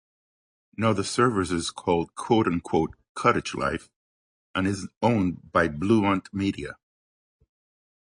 Now the service is called "Cottage Life" and is owned by Blue Ant Media.